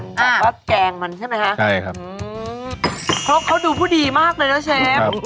แบบว่าแกงมันใช่ไหมคะใช่ครับครกเขาดูผู้ดีมากเลยนะเชฟ